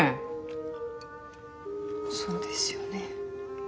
そうですよね